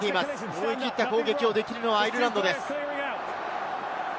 思い切った攻撃ができるのはアイルランドです。